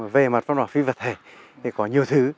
về mặt văn hóa phi vật thể thì có nhiều thứ